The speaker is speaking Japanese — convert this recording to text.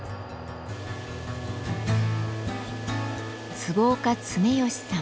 坪岡常佳さん。